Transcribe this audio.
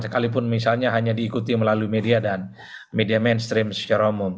sekalipun misalnya hanya diikuti melalui media dan media mainstream secara umum